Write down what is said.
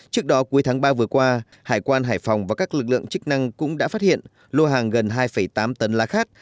trước đó cuối tháng ba vừa qua hải quan hải phòng và các lực lượng chức năng cũng đã phát hiện lô hàng gần hai tám tấn lá khát